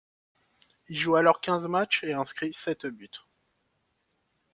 Il joue alors quinze matchs et inscrit sept buts.